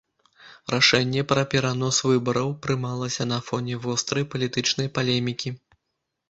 Рашэнне пра перанос выбараў прымалася на фоне вострай палітычнай палемікі.